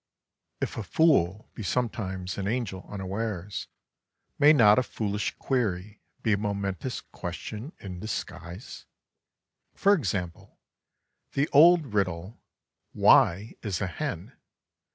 If a fool be sometimes an angel unawares, may not a foolish query be a momentous question in disguise? For example, the old riddle: "Why is a hen?"